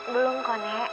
belum kok nek